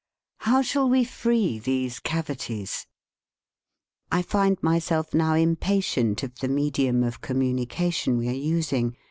How shall we free these cavities ? I find myself now impatient of the medium of communication we are using.